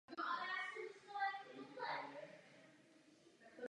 Po jeho smrti hrál na trubku na tribute albu "A Tribute to Miles".